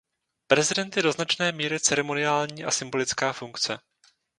Prezident je do značné míry ceremoniální a symbolická funkce.